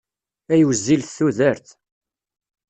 Ay wezzilet tudert!